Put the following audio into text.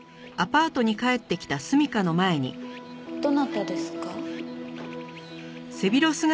どなたですか？